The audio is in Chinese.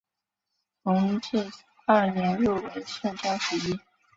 弘治二年入为顺天府尹。